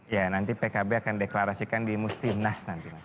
ya nanti pkb akan deklarasikan di musti nas